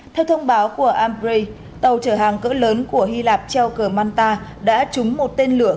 theo thông báo của embry tàu trở hàng cỡ lớn của hy lạp cheukermanta đã trúng một tên lửa